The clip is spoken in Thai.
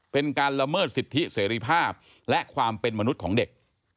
เป็นการละเมิดสิทธิเสรีภาพและความเป็นมนุษย์ของเด็ก